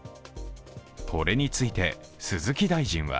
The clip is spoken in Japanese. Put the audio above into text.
これについて鈴木大臣は